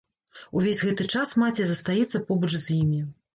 Увесь гэты час маці застаецца побач з імі.